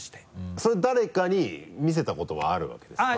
それ誰かに見せたことはあるわけですか？